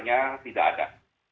dan itu tidak ada